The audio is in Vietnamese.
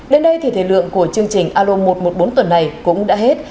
đến đây thì thời lượng của chương trình alo một trăm một mươi bốn tuần này cũng đã hết